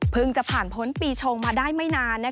เพิ่งจะผ่านพ้นปีชงมาได้ไม่นานนะคะ